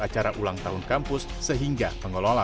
acara ulang tahun kampus sehingga pengelola